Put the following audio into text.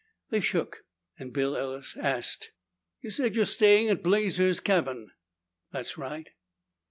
They shook and Bill Ellis asked, "You said you're staying at Blazer's cabin?" "That's right."